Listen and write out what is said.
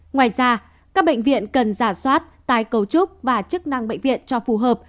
ngoài ra các bệnh viện cần giả soát tài cấu trúc và chức năng bệnh viện cho phù hợp